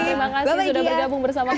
terima kasih sudah bergabung bersama kami